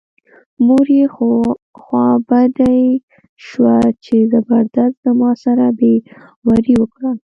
مور یې خوا بډۍ شوه چې زبردست زما سره بې وري وکړه.